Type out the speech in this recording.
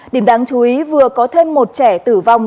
điểm đáng chú ý vừa có thêm một trẻ tử vong